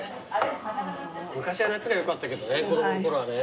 昔は夏がよかったけどね子供のころはね。